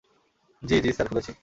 জ্বি, জ্বি স্যার, খুলেছি।